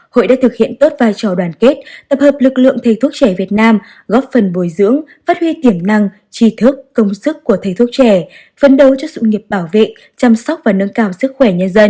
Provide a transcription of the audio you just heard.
hội đã thực hiện tốt vai trò đoàn kết tập hợp lực lượng thầy thuốc trẻ việt nam góp phần bồi dưỡng phát huy tiềm năng trí thức công sức của thầy thuốc trẻ phấn đấu cho sự nghiệp bảo vệ chăm sóc và nâng cao sức khỏe nhân dân